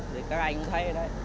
thì các anh cũng thấy ở đây